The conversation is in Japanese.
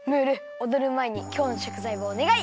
おどるまえにきょうのしょくざいをおねがい！